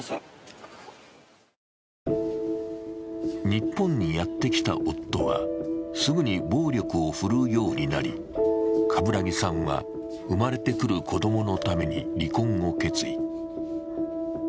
日本にやってきた夫は、すぐに暴力を振るうようになり、冠木さんは生まれてくる子供のために離婚を決意。